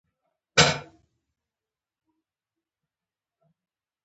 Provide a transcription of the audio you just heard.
احمدشاه بابا د افغانستان یووالي ته کار کړی دی.